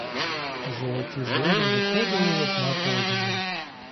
Золоті зорі виходили одна по одній.